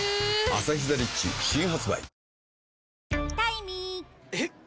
「アサヒザ・リッチ」新発売